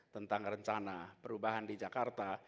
tentang rencana perubahan di jakarta